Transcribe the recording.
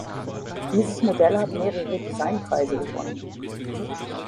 Dieses Modell hat mehrere Designpreise gewonnen.